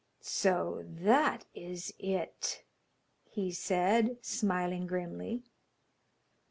'So that is it!' he said, smiling grimly.